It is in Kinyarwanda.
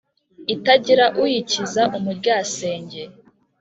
itagira uyikiza umuryasenge